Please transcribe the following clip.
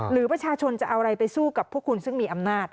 หรือประชาชนจะเอาอะไรไปสู้กับพวกคุณซึ่งมีอำนาจ